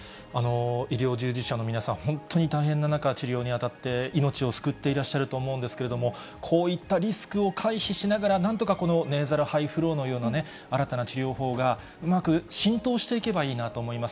医療従事者の皆さん、本当に大変な中、治療に当たって命を救っていらっしゃると思うんですけれども、こういったリスクを回避しながら、なんとかこのネーザルハイフローのような新たな治療法がうまく浸透していけばいいなと思います。